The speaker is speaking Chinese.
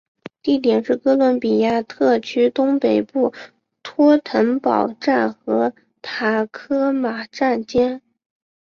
地点是哥伦比亚特区东北部托腾堡站和塔科马站间。